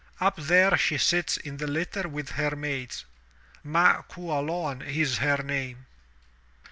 Up there she sits in the Utter with her maids. Ma Qualoan is her name."